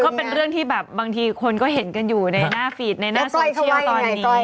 ก็เป็นเรื่องที่แบบบางทีคนก็เห็นกันอยู่ในหน้าฟีดในโลกโซเชียลตอนนี้